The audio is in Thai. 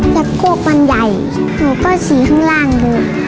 จากพวกมันใหญ่หนูก็ฉี่ข้างล่างดู